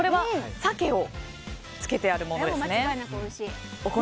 サケを漬けてあるものですね。